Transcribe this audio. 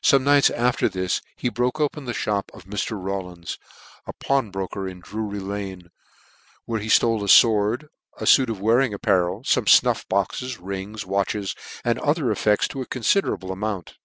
Some nights after this he broke open the mop of Mr. Hawlins, a pawnbroker in Drury lanc , where he ftole a fword, a fuit of wearing apparel, fome fnuff boxes, rings, watches, and other ef fects to a confiderable amount.